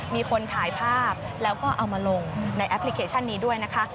มีคนถ่ายภาพแล้วก็เอามาลงในแอปพลิเคชันนี้ด้วยนะคะ